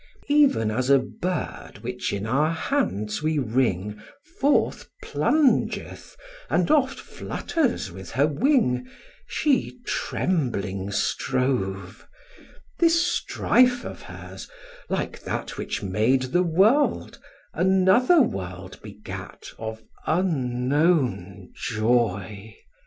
Even as a bird, which in our hands we wring, Forth plungeth, and oft flutters with her wing, She trembling strove: this strife of hers, like that Which made the world, another world begat Of unknown joy.